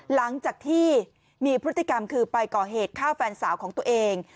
หลังจากที่มีพฤติกรรมคือไปก่อเหตุฆ่าแฟนสาวของตัวเอง